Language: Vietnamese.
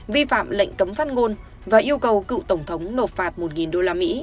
vi phạm lệnh cấm phát ngôn và yêu cầu cựu tổng thống nộp phạt một đô la mỹ